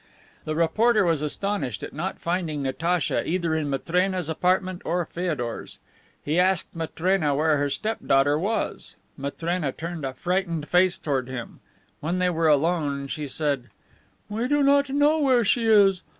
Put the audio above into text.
The reporter was astonished at not finding Natacha either in Matrena's apartment or Feodor's. He asked Matrena where her step daughter was. Matrena turned a frightened face toward him. When they were alone, she said: "We do not know where she is.